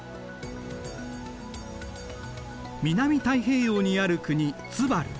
南太平洋にある国ツバル。